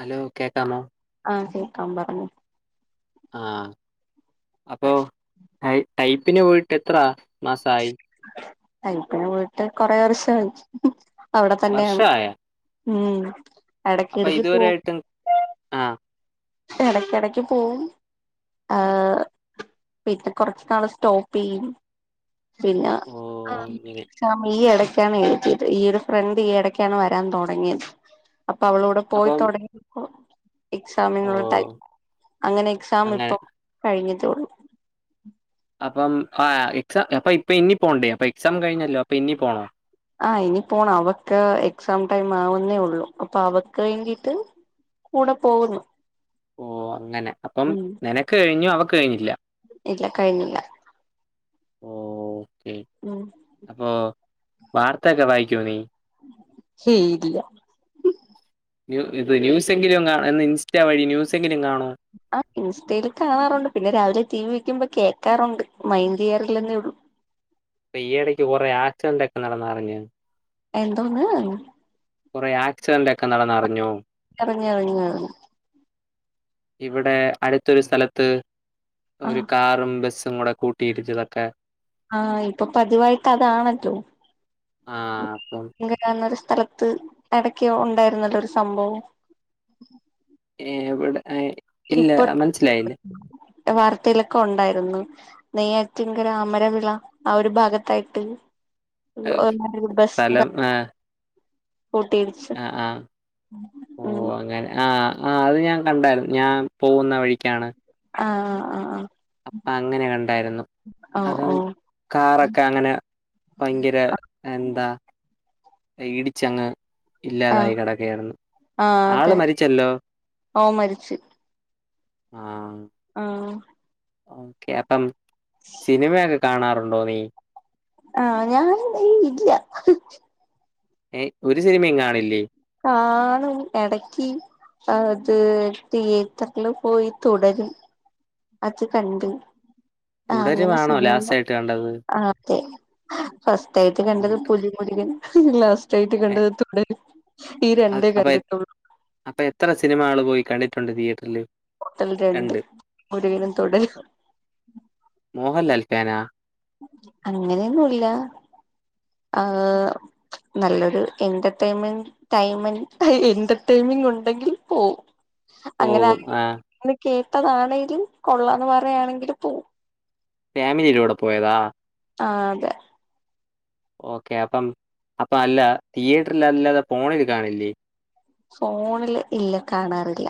Hello കേക്കാമോ ആഹ് കേക്കാം പറഞ്ഞോ ആഹ് അപ്പോൾ ടൈപ്പിന് പോയിട്ട് എത്ര മാസയി ടൈപ്പിന് പോയിട്ട് കൊറേ വർഷം അവിടെ തന്നെയ വർഷായോ? ഉം അപ്പൊ പോവും ഇതുവരായിട്ടും ആഹ് ഇടക്കിടക്ക് പോവും ആഹ് പിന്നെ കുറച്ച് നാള് സ്റ്റോപ്പ് ചെയ്യും പിന്നെ ഓഹ് ആഹ് അങ്ങനെ ചാമേ ഇടക്ക് എഴത് ഈ ഒരു ഫ്രണ്ട് ഈടക്കാണ് വരാൻ തുടങ്ങിയത് അപ്പൊ അവള കൂടെ അപ്പം പോയിത്തടങ്ങി ഓ എക്സാമിനുള്ള ഓഹ് ടൈം അങ്ങനെ എക്സാം അങ്ങനെ ഇപ്പൊ കഴിഞ്ഞിട്ടേള്ളൂ അപ്പം ആ എക്സാം അപ്പൊ ഇപ്പൊ ഇനി പോണ്ടേ അപ്പൊ എക്സാം കഴിഞ്ഞല്ലോ അപ്പൊ ഇനി പോണോ ആഹ് ഇനി പോണം അവക്ക് എക്സാം ടൈം ആവുന്നേ ഉള്ളൂ അപ്പൊ അവക്ക് വേണ്ടിട്ട് കൂടെ പോകുന്നു ഓ അങ്ങനെ അപ്പം ഉം നിനക്ക് കഴിഞ്ഞു അവക് കഴിഞ്ഞില്ല ഇല്ല കഴിഞ്ഞില്ല ഓ ഓക്കേ ഉം അപ്പോൊ വാർത്ത ഒക്കെ വായിക്കോ നീ ഹെ ഇല്ല ഇത് ന്യൂസെങ്കിലും കാണന്ന് ഇൻസ്റ്റ വഴി യൂസെങ്കിലും കാണോ ആ ഇൻസ്റ്റയിൽ കാണാറുണ്ട് പിന്നെ രാവിലെ ടി വി വെക്കുമ്പോ കേൾക്കാറുണ്ട് മൈൻ ചെയയറൽെന്നേ ഉള്ളൂ ഇപ്പൊ ഈടക്ക് കുറെ ആക്സിഡന്റ് ഒക്കെ നടന്നാറഞ്ഞു എന്തോന്ന കുറെേ ആക്സിഡന്റ് ഒക്കെ നടന്നറിഞ്ഞു അറിഞ്ഞ് അറിഞ്ഞ് ഇവിടെ അടുത്തൊരു സ്ഥലത്ത് ഒരു ആഹ് കാറും ബസ്സും ും കൂടെ കൂട്ടിയിരിച്ചതൊക്കെ ആഹ് ഇപ്പൊ പതിവായിട്ട് അതാണല്ലോ ആഹ് അപ്പം ന്ന ഒരു സ്ഥലത്ത് ഇടയ്ക്കോ ഉണ്ടായിരുന്നുള്ളരു സംഭവം ഏ ഇവിടെ ഇല്ല ഇപ്പൊ മനസ്സിലായില്ലേ വാർത്തയിലൊക്കെ ഉണ്ടായിരുന്നു നെയ്യ ഏറ്റങ്കര അമരവിള ആ ഒരു ഭാഗത്തായിട്ട് ഏഹ്, ബസ് സ്ഥലം ആഹ് കൂട്ടിയിച്ച് ആഹ് ആഹ് ഓ അങ്ങനെ ആഹ് ആഹ് അത് ഞാൻ കണ്ടായിരുന്നു ഞാൻ പോകുന്ന വഴിക്കാണ് ആഹ് ആഹ് ആഹ് അപ്പം അങ്ങനെ കണ്ടായിരുന്നു ഓഹ് [unintelligible] ഓഹ് കാറൊക്കെ അങ്ങനെ ഭയങ്കര എന്താ ഇടിച്ചങ്ങ് ഇല്ലാതായി ആഹ് കിടക്കയാരുന്നു ആഹ് ആള് അതെ മരിച്ചല്ലോ ഓൻ മരിച്ച് ആഹ് ആഹ് ഓക്കെ അപ്പം സിനിമയൊക്കെ കാണാറുണ്ടോ നീ ആഹ് ഞാൻ ഇല്ല ഏഹ് ഒരു സിനിമയും കാണില്ലേ കാണും ഇടക്ക് അത് തിയേറ്ററില് പോയി തുടരും അത് കണ്ട് ആഹ് അങ്ങനെ തുടരുവാണോ സിനിമ ലാസ്റ്റ് ആയിട്ട് കണ്ടത്? ആഹ് അതെ ഫസ്റ്റ് ആയിട്ട് കണ്ടത് പുലിമുരുകൻ ലാസ്റ്റ് ആയിട്ട് കണ്ടത് തുടരും ഈ രണ്ടേ [unintelligible] കണ്ടിട്ടുള്ളൂ അപ്പം എത്ര സിനിമകൾ പോയി കണ്ടിട്ടുണ്ട് തിയേറ്ററിൽ [unintelligible] രണ്ട് മുരുകനും തുടരും മോഹൻലാൽ ഫാനാ അങ്ങനെയൊന്നും ഇല്ല ആഹ് നല്ലൊരു എന്റർടൈൻമെന്റ് ടൈമന്റ് എന്റർടൈൻമിംഗ് ഉണ്ടെങ്കിൽ പോവും ഓ അങ്ങനെ ആ ആരെങ്കിലും കേട്ടതാണെങ്കിലും കൊള്ളാന്ന് പറയുകയാണെങ്കില് പോവും ഫാമിലിയിലൂടെ പോയതാ ആഹ് അതെ ഓക്കെ അപ്പം അപ്പം അല്ല തിയേറ്ററിൽ അല്ലാതെ ഫോണിൽ കാണില്ലേ ഫോണില് ഇല്ല കാണാറില്ല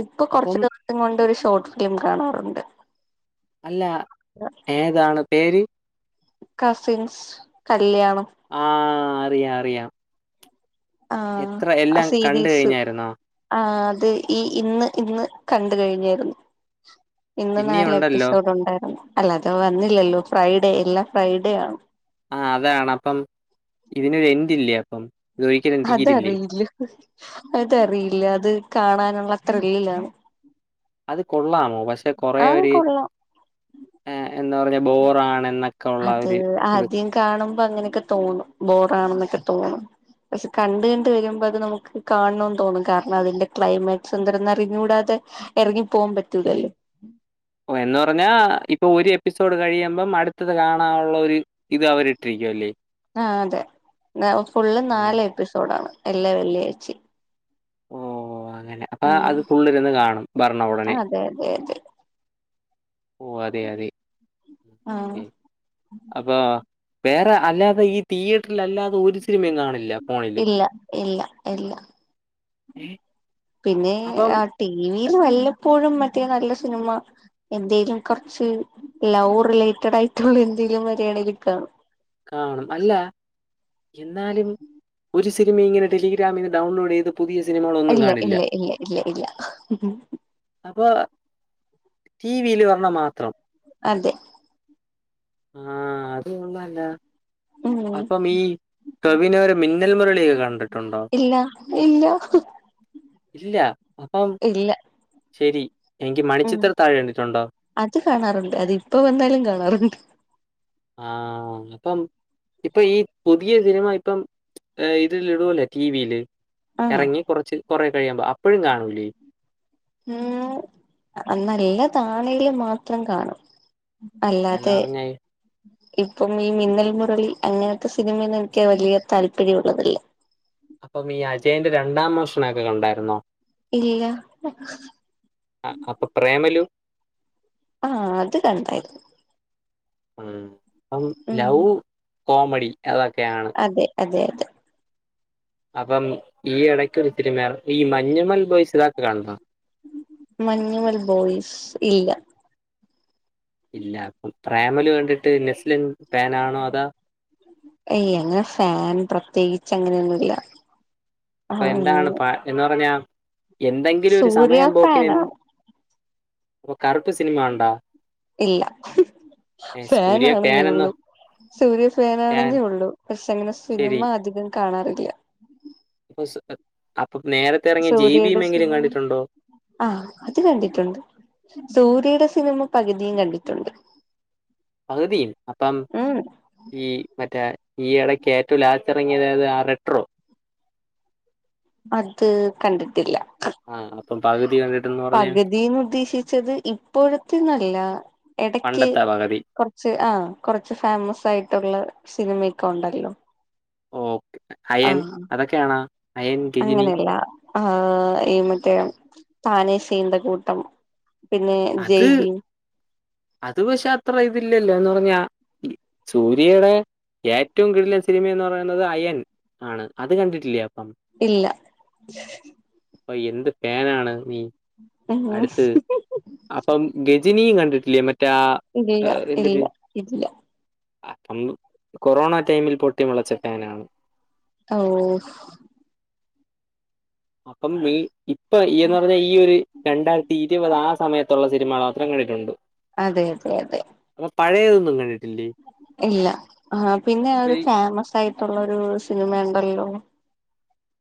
ഇപ്പൊ അപ്പം കൊറച്ച് [unintelligible] [unintelligible] കൊണ്ട് ഒരു ഷോർട്ട് ഫിലിം കാണാറുണ്ട് അല്ല [unintelligible] ഏതാണ് പേര് കസിൻസ് കല്യാണം ആഹ് അറിയാം അറിയാം ആഹ് എത്ര ആ എല്ലാം കണ്ടു സീരീസ് കഴിഞ്ഞായിരുന്നോ? ആഹ് അത് ഈ ഇന്ന് ഇന്ന് കണ്ട് കഴിഞ്ഞായിരുന്നു ഇന്ന് ഇനിയും നാളെയും ഉണ്ടല്ലോ. എപ്പിസോഡ് ഉണ്ടായിരുന്നു അല്ലാതെ വന്നില്ലല്ലോ ഫ്രൈഡേ എല്ലാം ഫ്രൈഡേ ആണ് ആഹ് അതാണ് അപ്പം ഇതിനൊരു എൻഡില്ലേ അപ്പം ഇതൊരിക്കലും തീരില്ലേ? അതറിയില്ല അതറിയില്ല അത് കാണാനുള്ള ത്രില്ലില്ലാണ് അത് കൊള്ളാമോ പക്ഷെ കുറെ ഒരു കൊള്ളാം ഏഹ് എന്താ പറഞ്ഞ ബോറാണെന്ന അത് ആദ്യം കാണുമ്പോ അങ്ങനെയൊക്കെ തോന്നും ബോറാണന്നൊക്കെ തോന്നും പക്ഷെ കണ്ടുകണ്ട് വരുമ്പോ അത് നമ്മുക്ക് കാണണന്ന് തോന്നും കാരണം അതിന്റെ ക്ലൈമാക്സ് എന്തരും അറിഞ്ഞുകൂടാതെ ഇറങ്ങി പോകാൻ പറ്റൂല്ലല്ലോ ഓ എന്ന് പറഞ്ഞാ ഇപ്പൊ ഒരു എപ്പിസോഡ് കഴിയുമ്പം അടുത്തത് കാണാനുള്ള ഒരു ഇത് അവരിട്ടിരിക്കും അല്ലേ ആഹ് അതെ ഫുള്ള് ഓഹ് നാല് എപ്പിസോഡാണ് എല്ലാം വെള്ളിയാഴ്ചയും ഓ അങ്ങനെ അപ്പ ആഹ് അത് ഫുള്ളിരുന്ന് കാണും [unintelligible] ഉടനെ അതെ അതെ അതെ ഓ അതെ അതെ ആഹ് അപ്പൊ വേറെ അല്ലാതെ ഈ തിയേറ്ററിൽ അല്ലാതെ ഒരു സിനിമയും കാണില്ല ഫോണില് ഇല്ല ഇല്ല ഇല്ല ഏഹ് പിന്നെ അപ്പം ടിവിയില് വല്ലപ്പോഴും മറ്റേ നല്ല സിനിമ എന്തേലും കൊർച്ച് ലവ് റിലേറ്റഡ് ആയിറ്റ്ള്ള എന്തെങ്കിലും വരേണെങ്കി കാണും കാണും അല്ലാ എന്നാലും ഒരു സിനിമ ഇങ്ങനെ ടെലിഗ്രാമിൽന്ന് ഡൗൺലോഡ് ചെയ്ത് പുതിയ സിനമകള് ഇല്ല ഇല്ല ഇല്ല ഇല്ല ഇല്ല അപ്പൊ റ്റി വി യി ല് വന്നാ മാത്രം അതെ ആ അത് കൊള്ളാലാ ഉം തവിനോരെ മിന്നൽ മുരളിയൊക്കെ കണ്ടിട്ടുണ്ടോ ഇല്ല ഇല്ല ഇല്ല അപ്പം ഇല്ല ശരി എങ്കി ഉം മണിച്ചിത്ര താഴ് കണ്ടിട്ടുണ്ടോ അത് കാണാറുണ്ട് അത് ഇപ്പ വന്നാലും കാണാറുണ്ട് ആ അപ്പം ഇപ്പൊ ഈ പുതിയ സിനിമ ഇപ്പം ഇതിൽ ഇടുവല്ലോ റ്റി വി യില് ആഹ് എറങ്ങി കൊറച്ച് കൊറേ കഴിയുമ്പോ അപ്പഴും കാണൂലേ ഉം നല്ലതാണേല് മാത്രം കാണും എന്ന് അല്ലാതെ പറഞ്ഞാ ഇപ്പം ഈ മിന്നൽ മുരളി അങ്ങനത്തെ സിനിമയൊന്നും എനിക്ക് വലിയ താല്പര്യം ഉള്ളതല്ല അപ്പം ഈ അജയന്റെ രണ്ടാം മോഷണം ഒക്കെ കണ്ടായിരുന്നോ ഇല്ല ആ അപ്പൊ പ്രേമലു ആ അത് കണ്ടായിരുന്നു ഉം അപ്പം ഉം ലവ് കോമഡി അതൊക്കെയാണ് അതെ അതെ അതെ അപ്പം ഈ എടയ്ക്കൊരു സിനിമയിർ ഈ മഞ്ഞ്മൽ ബോയ്സ് തൊക്കെ കണ്ടോ മഞ്ഞുമൽ ബോയ്സ് ഇല്ല ഇല്ല അപ്പ പ്രേമല് കണ്ടിട്ട് നെസ്ലൻ ഫാൻ ആണോ അതോ ഏയ് അങ്ങനെ ഫാൻ പ്രത്യേകിച്ച് അങ്ങനെയൊന്നുല്ല അപ്പൊ എന്താണ് ആഹ് പ എന്ന് പറഞ്ഞാ എന്തെങ്കിലും ഒരു സൂര്യ സമയം പോക്കിന് എൻ ഫാനാണ് അപ്പൊ കറക്റ്റ് സിനിമ കണ്ടോ ഇല്ല ഫാൻ സൂര്യ ആണെന്നേ എന്ന ഒള്ളൂ സൂര്യ ഫാൻ ആണെന്നെ ഒള്ളൂ പക്ഷേ അങ്ങനെ സിനിമ ശരി അധികം കാണാറില്ല അപ്പൊ സു നേരത്തെ എറങ്ങിയ ജെ ബി എം എങ്കിലും കണ്ടിട്ടുണ്ടോ? ആ അത് കണ്ടിട്ടുണ്ട് സൂര്യയുടെ സിനിമ പകുതിയും കണ്ടിട്ടുണ്ട് പകുതിയും അപ്പം ഉം ഈ മറ്റേ ഈ എടയ്ക്ക് ഏറ്റവും ലാസ്റ്റ് എറങ്ങിയത് ഏത് ആ റെട്രോ അത് കണ്ടിട്ടില്ല ആ അപ്പം പകുതി കണ്ടിട്ടെന്ന് പറഞ്ഞ പകുതിന്ന് ഉദ്ദേശിച്ചത് ഇപ്പോഴത്തെ ന്നല്ല പണ്ടത്തെ പകുതി ച്ച് ആ കൊറച്ച് ഫേമസ് ആയിട്ടുള്ള സിനിമയൊക്കെ ഉണ്ടല്ലോ ഓക്കെ അയൺ അതൊക്കെ ആണോ? അങ്ങനെയല്ലാ ആഹ് ഈ മറ്റേ താനേശീന്ത കൂട്ടം പിന്നെ അത് ജൈബിൻ അത് പക്ഷേ അത്ര ഇതില്ലല്ലോ എന്ന് പറഞ്ഞാ സൂര്യയുടെ ഏറ്റവും കിടിലൻ സിനിമന്ന് പറയുന്നത് അയൻ ആണ് അത് കണ്ടിട്ടില്ലേ അപ്പം ഇല്ല അപ്പ എന്ത് പാനാണ് നീ ഉം അടുത്ത് അപ്പം ഗജിനിയും കണ്ടിട്ടില്ലേ മറ്റേ ആഹ് ഇല്ല ആഹ് എന്തിര് ഇല്ല ഇല്ല അപ്പം കൊറോണ ടൈമിൽ പൊട്ടി മുളച്ച ഫാനാണ് ഓഹ് അപ്പം ഈ ഇപ്പൊ ഈ എന്ന് പറഞ്ഞ ഈ ഒരു രണ്ടായിരത്തി ഇരുപത് ആ സമയത്തുള്ള സിനിമകളാണ് ത്രങ്ങളിലുണ്ട് അതെ അതെ അതെ അപ്പൊ പഴേതൊന്നും കണ്ടി ഇല്ല ആഹ് പിന്നെ അവര് ഇവര് താമസായി ട്ടുള്ളൊരു സിനിമ ഉണ്ടല്ലോ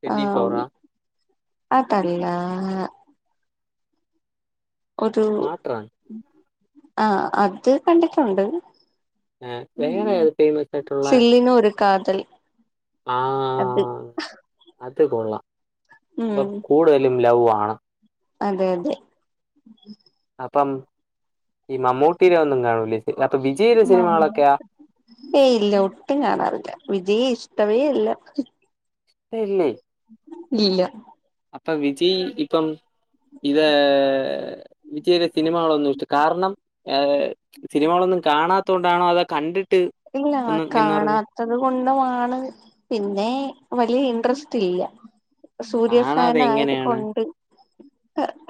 ട്വന്റി ഫോറാ ആഹ് അതല്ലാ ഒരു മാത്രമാണ് ആഹ് അത് കണ്ടിട്ടുണ്ട് ഉം വേറെ ഏത് ഫേമസ് ആയിട്ടുള്ള സില്ലിങ് ഒരു കാതൽ അത് ആഹ അത് കൊള്ളാം ഇപ്പൊ ഉം കൂടുതലും ലവ് ആണ് അതെ അതെ അപ്പം ഈ മമ്മൂട്ടിയിടെ ഒന്നും കാണൂലേ അപ്പൊ വിജയിയുടെ സിനിമകളൊക്കെയോ ഏയ് ഇല്ല ഒട്ടും കാണാറില്ല വിജയിയെ ഇഷ്ടവേ അല്ല. ട്ടല്ലേ ഇല്ല അപ്പോ വിജയ് ഇപ്പം ഇത് വിജയിടെ സിനിമകളൊന്നും ഇഷ്ട കാരണം ഏഹ് സിനിമകളൊന്നും കാണാത്തത് കൊണ്ടാണോ അതോ കണ്ടിട്ട് ഇല്ലാ ഒന്നും എന്ന് കാണാ പറഞ്ഞ് ത്തത് കൊണ്ടാണ് പിന്നെ വലിയ ഇൻട്രസ്റ്റ് ഇല്ല. സൂര്യ ഫാൻ കാണാതെ ആയത് എങ്ങനെയാണ് കൊണ്ട്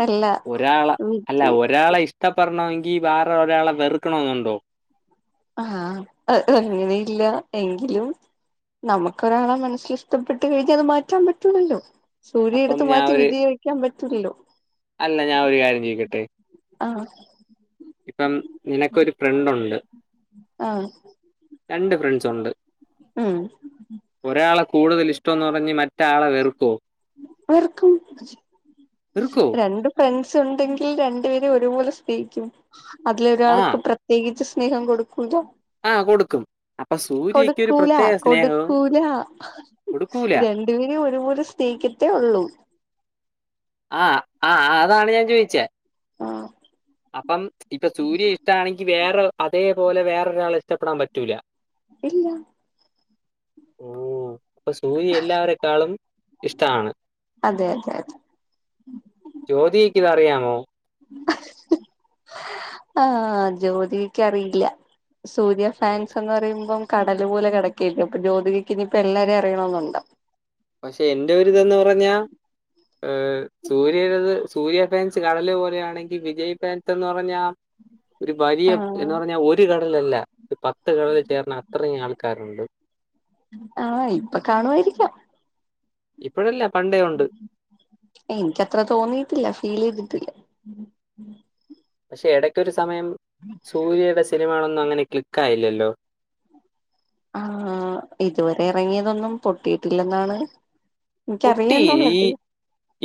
എല്ല ഒരാളെ അല്ല ഒരാളെ ഇഷ്ടപ്പെടണമെങ്കിൽ വേറെ ഒരാളെ വെറുക്കണെന്നുണ്ടോ. ആഹ് അങ്ങനെയില്ല എങ്കിലും നമുക്കൊരാളെ മനസ്സിൽ ഇഷ്ടപ്പെട്ട് കഴിഞ്ഞാൽ അത് മാറ്റാൻ പറ്റൂല്ലല്ലോ. സൂര്യയെ അപ്പം എടുത്തു ഞാൻ മാറ്റി ഒരു വിജയിയെ വെക്കാൻ പറ്റുലല്ലോ. അല്ല ഞാൻ ഒരു കാര്യം ചോയിക്കട്ടെ. ആഹ്. ഇപ്പം നിനക്കൊരു ഫ്രണ്ടുണ്ട്. ആഹ്. രണ്ട് ഫ്രണ്ട്സ് ഉണ്ട്. ഉം ഒരാളെ കൂടുതൽ ഇഷ്ടം എന്ന് പറഞ്ഞ് മ വെർക്കും വെറുക്കോ രണ്ടും ഫ്രണ്ട്സ് ഒണ്ടെങ്കിൽ രണ്ടു പേരും ഒരു പോലെ സ്നേഹിക്കും അതില് ആ. ഒരാൾക്ക് പ്ര പ്രത്യേകിച്ച് സ്നേഹം കൊടുക്കൂല. ആഹ് കൊടുക്കും. അപ്പൊ സൂര്യയ്ക്ക് ഒരു കൊടുക്കൂല പ്രത്യേക സ്നേഹവും കൊടുക്കൂല കൊടുക്കൂല. രണ്ടുപേരും ഒരുപോലെ സ്നേഹിക്കത്തേ ഉള്ളൂ. ആഹ് ആഹ് അതാണ് ഞാൻ ചോദിച്ചേ ആഹ് അപ്പം ഇപ്പോ സൂര്യയെ ഇഷ്ടാണെങ്കി വേറെ അതേപോലെ വേറൊരാളെ ഇഷ്ടപ്പെടാൻ പറ്റൂല. ഇല്ല. ഓഹ് അപ്പൊ സൂര്യ എല്ലാവരെക്കാളും ഇഷ്ടാണ്. അതെ അതെ അതെ ജ്യോതികക്ക് ഇതറിയാമോ? ആഹ് ജ്യോതികക്ക് അറിയില്ല. സൂര്യ ഫാൻസ് എന്ന് പറയുമ്പം കടല് പോലെ കെടക്കല്ലേ അപ്പൊ ജ്യോതികക്ക് ഇനിയിപ്പോ എല്ലാരെയും അറിയണമെന്നുണ്ടോ? പക്ഷേ എന്റെ ഒരു ഇതെന്ന് പറഞ്ഞാ ഏ- സൂര്യയുടെത് സൂര്യ ഫാൻസ് കടല് പോലെയാണെങ്കിൽ വിജയ് ഫാൻസ് എന്ന് പറഞ്ഞാ- ഒരു ബരിയം ആഹ് എന്ന് പറഞ്ഞാ ഒരു കടലല്ല, ഒരു പത്ത് കടൽ ചേർന്ന അത്രയും ആൾ- ക്കാറുണ്ട്. ആഹ് ഇപ്പോ കാണുവായിരിക്കാം. ഇപ്പഴല്ല പണ്ടേ ഒണ്ട്. എനിക്ക് അത്ര തോന്നിയിട്ടില്ല ഫീല് ചെയ്തിട്ടില്ല. പക്ഷേ എടക്കൊരു സമയം സൂര്യയുടെ സിനിമകളൊന്നും അങ്ങനെ ക്ലിക്ക് ആയില്ലല്ലോ. ആഹ് ഇതുവരെ എറങ്ങിയതൊന്നും പൊട്ടിയിട്ടില്ലെന്നാണ് പൊട്ടി. എനിക്കറിയാം എന്നുള്ള ഈ ഇത്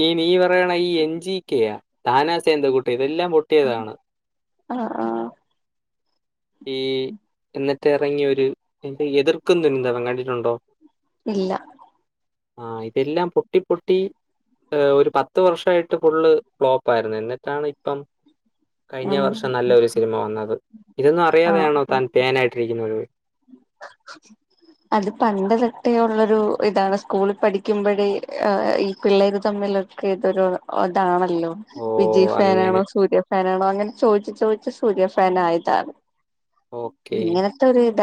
ഈ നീ പറയണ ഈ എൻ ജി കെ യാ താനാ സേന്ത് കുട്ടി ഇതെല്ലാം പൊട്ടി- പൊട്ടിയതാണ്. ആഹ് ആഹ് ഈ എന്നിട്ട് ഇറങ്ങിയ ഒരു എന്റെ എതിർക്കും തുന്നി [unintelligible] ന്തവൻ കണ്ടിട്ടുണ്ടോ. ഇല്ല ആഹ് ഇതെല്ലാം പൊട്ടി പൊട്ടി- ഒരു പത്ത് വർഷമായിട്ട് ഫുള്ള് ഫ്ലോപ്പ് ആയിരുന്നു എന്നിട്ടാണ് ഇപ്പം - കഴിഞ്ഞ ഉം വർഷം നല്ല ഒരു സിനിമ വന്നത് ഇതൊന്നും ആഹ് അറിയാതെയാണോ ആ താൻ ഫാൻ ആയിട്ടിരിക്കുന്നത് [inaudible] അത് പണ്ട് തൊട്ടേ ഉള്ളൊരു ഇതാണ് സ്കൂളിൽ പഠിക്കുമ്പോഴേ ഈ പിള്ളേര് തമ്മില് ഒരു - ഒക്കെ ഇതൊരു ഇതാണല്ലോ ഓ! വിജയ് അങ്ങനെ. ഫാനാണോ സൂര്യ ഫാനാണോ അങ്ങനെ ചോദിച്ചു ചോദിച്ചു സൂര്യ ഫാൻ ആയിട്ടാണ് ഓക്കേ. ഇങ്ങനത്തെ ഒരു ഇടം